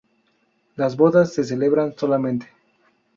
Las bodas se celebran solemnemente.